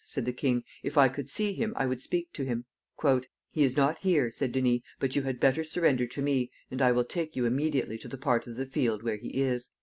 said the king. "If I could see him I would speak to him." "He is not here," said Denys; "but you had better surrender to me, and I will take you immediately to the part of the field where he is."